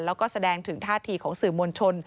แล้วก็แสดงถึงท่าทีของสื่อมวลชน